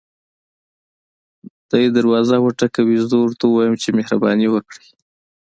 دی دروازه وټکوي زه ورته ووایم چې مهرباني وکړئ.